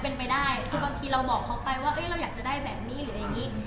เป็นอย่างไรไม่ได้ก็คือบางทีเราบอกเขาไปว่าเราอยากจะได้แบบนี้อย่างนี้